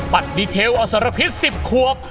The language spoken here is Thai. ดีเทลอสรพิษ๑๐ควบ